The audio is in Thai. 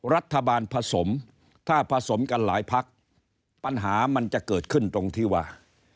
รัฐบาลผสมถ้าผสมกันหลายพักปัญหามันจะเกิดขึ้นตรงที่ว่า